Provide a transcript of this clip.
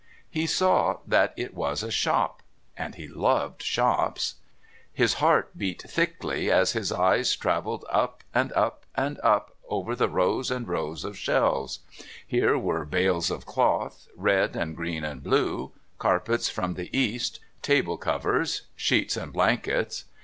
He saw that it was a shop and he loved shops. His heart beat thickly as his eyes travelled up and up and up over the rows and rows of shelves; here were bales of cloth, red and green and blue; carpets from the East, table covers, sheets and blankets.